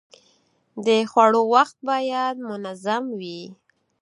د خوړو وخت باید منظم وي.